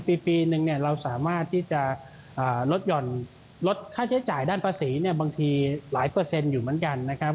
ปีนึงเราสามารถที่จะลดห่อนลดค่าใช้จ่ายด้านภาษีบางทีหลายเปอร์เซ็นต์อยู่เหมือนกันนะครับ